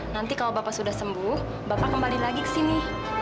nanti kalau bapak sudah sembuh bapak kembali lagi ke sini